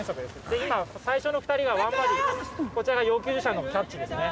で今最初の２人はワンバディこちらが要救助者のキャッチですね。